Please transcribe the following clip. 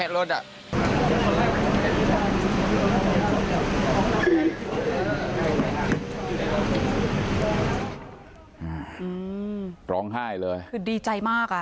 ร้องไห้เลยคือดีใจมากอ่ะ